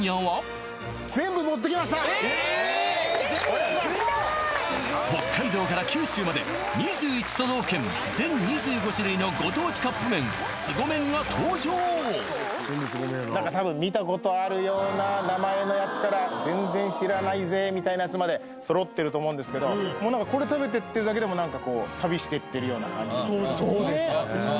嬉しい見たい北海道から九州まで２１都道府県全２５種類のご当地カップ麺凄麺が登場何か多分見たことあるような名前のやつから全然知らないぜみたいなやつまで揃ってると思うんですけどもうこれ食べてってるだけでも何か旅してってるような感じそうですね